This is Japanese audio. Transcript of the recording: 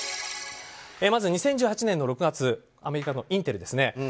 まず２０１８年の６月アメリカのインテルですね。